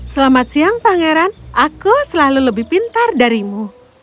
selamat siang pangeran aku selalu lebih pintar darimu